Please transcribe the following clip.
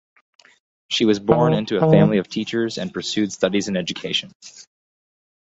She was born into a family of teachers and pursued studies in education.